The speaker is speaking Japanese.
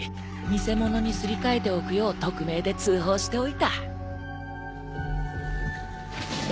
偽物にすり替えておくよう匿名で通報しておいた。